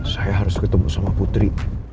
saya harus ketemu sama putri